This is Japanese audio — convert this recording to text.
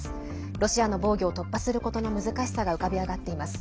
ロシアの防御を突破することの難しさが浮かび上がっています。